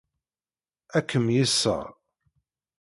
Ad kem-yeṣṣer.